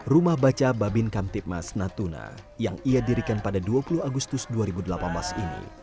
rumah baca babin kamtipmas natuna yang ia dirikan pada dua puluh agustus dua ribu delapan belas ini